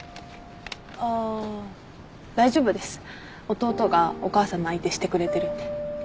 弟がお母さんの相手してくれてるんで。